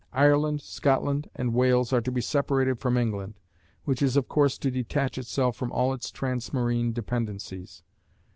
Ireland, Scotland, and Wales, are to be separated from England, which is of course to detach itself from all its transmarine dependencies.